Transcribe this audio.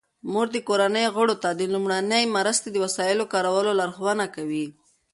مور د کورنۍ غړو ته د لومړنۍ مرستې د وسایلو کارولو لارښوونه کوي.